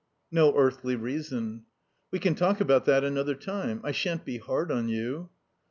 (No earthly reason.) "We can talk about that another time. I shan't be hard on you."